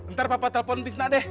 ntar papa telfon fisna deh